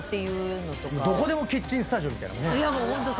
どこでもキッチンスタジオみたいなもん。